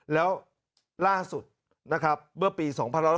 แล้วล่าสุดเมื่อปี๒๑๖๔